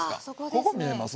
ここ見えます？